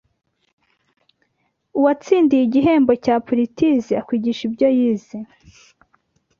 Uwatsindiye igihembo cya Pulitize akwigisha ibyo yize